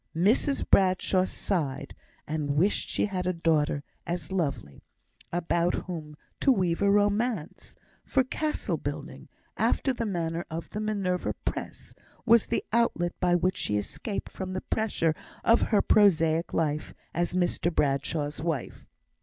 Mrs Bradshaw sighed, and wished she had a daughter as lovely, about whom to weave a romance; for castle building, after the manner of the Minerva press, was the outlet by which she escaped from the pressure of her prosaic life, as Mr Bradshaw's wife.